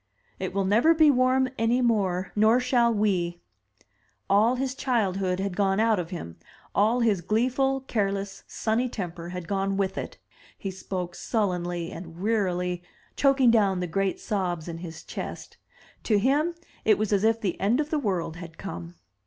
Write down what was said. "It will never be warm any more, nor shall we." All his childhood had gone out of him, all his gleeful, careless, sunny temper had gone with it; he spoke sullenly and wearily, choking down the great sobs in his chest. To him it was as if the end of the world had come.